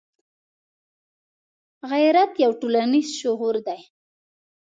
غیرت یو ټولنیز شعور دی